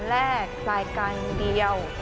รายการเดียว